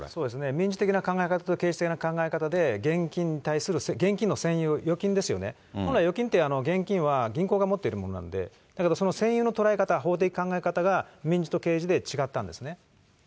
民事的な考え方と刑事的な考え方で現金に対する、現金の占有、預金ですよね、本来、預金って、現金は銀行が持ってるものなんで、だけどその占有の捉え方、法的考え方が民事と刑事で違ったんですね。